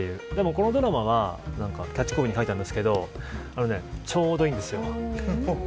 でも、このドラマはキャッチコピーに書いたんですけどちょうどいいんですよ。